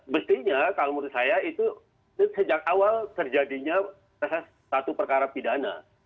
mestinya kalau menurut saya itu sejak awal terjadinya satu perkara pidana